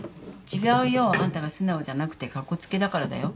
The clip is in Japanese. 違うよ。あんたが素直じゃなくてカッコつけだからだよ。